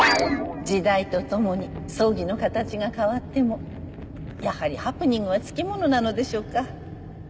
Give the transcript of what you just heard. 時代と共に葬儀の形が変わってもやはりハプニングはつきものなのでしょうか。